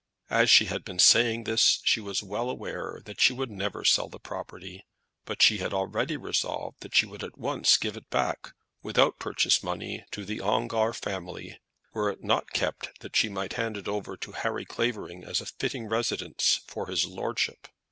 As she had been saying this she was well aware that she would never sell the property; but she had already resolved that she would at once give it back, without purchase money, to the Ongar family, were it not kept that she might hand it over to Harry Clavering as a fitting residence for his lordship.